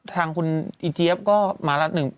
ทางคุณอีเจี๊ยบก็มาละหนึ่ง